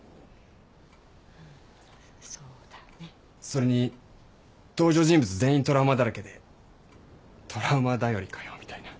それに登場人物全員トラウマだらけでトラウマ頼りかよみたいな。